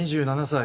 ２７歳。